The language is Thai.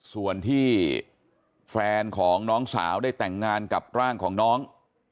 ส่วนที่แฟนของน้องสาวได้แต่งงานกับร่างของน้อง